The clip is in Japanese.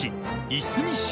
いすみ市